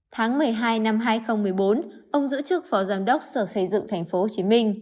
tháng một mươi hai năm hai nghìn một mươi bốn ông giữ chức phó giám đốc sở xây dựng tp hcm